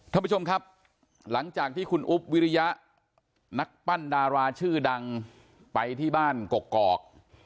ท่านผู้ชมครับหลังจากที่คุณอุ๊บวิริยะนักปั้นดาราชื่อดังไปที่บ้านกกอก